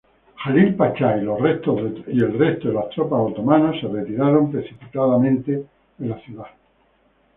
Jalil Pachá y los restos de tropas otomanas se retiraron precipitadamente de la ciudad.